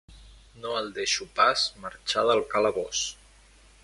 No el deixo pas marxar del calabós.